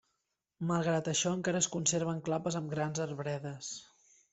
Malgrat això encara es conserven clapes amb grans arbredes.